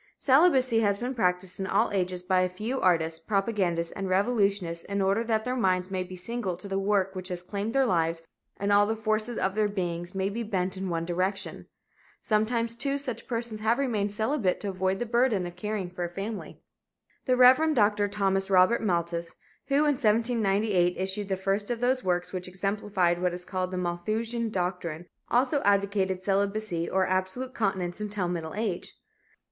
Celibacy has been practiced in all ages by a few artists, propagandists and revolutionists in order that their minds may be single to the work which has claimed their lives and all the forces of their beings may be bent in one direction. Sometimes, too, such persons have remained celibate to avoid the burden of caring for a family. The Rev. Dr. Thomas Robert Malthus, who in 1798 issued the first of those works which exemplified what is called the Malthusian doctrine, also advocated celibacy or absolute continence until middle age.